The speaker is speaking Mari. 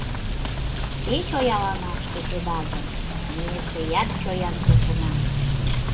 Те чояланаш тӧчеда гын, ме эшеат чоян кертына!